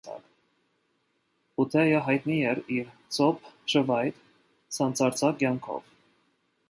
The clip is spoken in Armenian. Ուդեյը հայտնի էր իր ցոփ, շվայտ, սանձարձակ կյանքով։